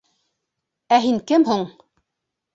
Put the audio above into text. — Ә һин кем һуң?